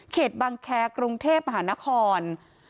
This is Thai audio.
เขตบังแครกรุงเทพฯมหานคร